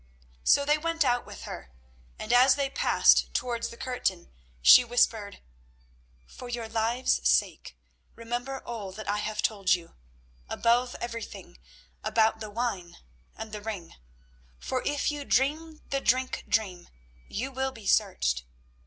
So they went out with her, and as they passed towards the curtain she whispered: "For your lives' sake, remember all that I have told you—above everything, about the wine and the ring, for if you dream the drink dream you will be searched.